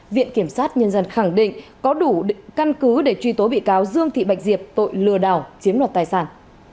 viện kiểm sát nhân dân khẳng định có đủ căn cứ để truy tố bị cáo dương thị bạch diệp tội lừa đảo chiếm đoạt tài sản